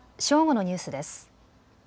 正午のニュースです。